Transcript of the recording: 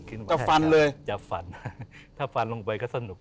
จะฟันเลยอย่าฝันถ้าฟันลงไปก็สนุก